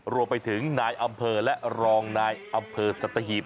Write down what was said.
รวมไปถึงนายอำเภอและรองนายอำเภอสัตหีบ